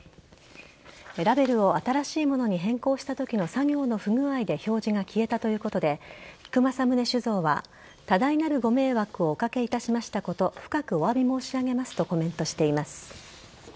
ラベルを新しいものに変更したときの作業の不具合で表示が消えたということで菊正宗酒造は多大なるご迷惑をお掛けいたしましたことを深くお詫び申し上げますとコメントしています。